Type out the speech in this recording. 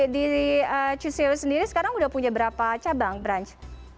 di cuseo sendiri sekarang udah punya berapa cabang branch